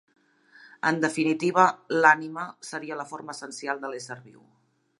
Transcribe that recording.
En definitiva, l'ànima seria la forma essencial de l'ésser viu.